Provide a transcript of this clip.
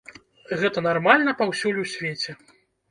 Гэта нармальна паўсюль у свеце.